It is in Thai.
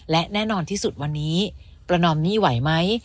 และแน่นอนที่สุดวันนี้ประนอมหนี้ไหวไหม